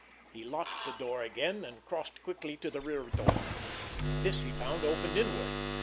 He locked the door again, and crossed quickly to the rear door. This he found opened inward.